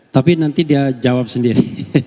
tapi nanti dia jawab sendiri